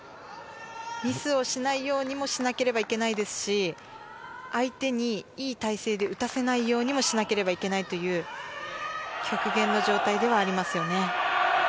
ミスをしないようにもしなければいけないですし、相手にいい体勢で打たせないようにもしなければいけないという極限の状態ではありますよね。